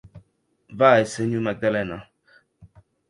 Vai, senhor Magdalena!